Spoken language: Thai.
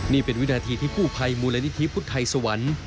นี่เป็นวินาทีที่กู้ภัยมูลนิธิพุทธไทยสวรรค์